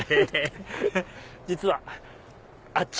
実はあっち。